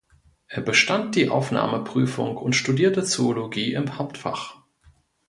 Er bestand die Aufnahmeprüfung und studierte Zoologie im Hauptfach.